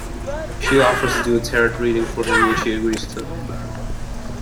She offers to do a Tarot reading for him which he agrees to.